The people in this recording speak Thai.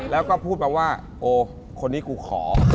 แล้วก็พูดมาว่าโอ้คนนี้กูขอ